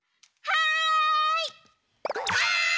はい！